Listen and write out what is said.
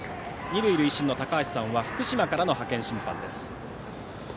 二塁塁審の高橋さんは福島からの派遣審判です。